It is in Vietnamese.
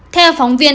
theo phóng viên